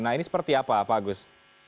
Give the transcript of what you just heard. nah ini seperti apa pak agus